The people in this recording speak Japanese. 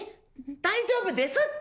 大丈夫ですって。